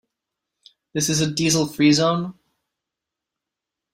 This is a diesel free zone.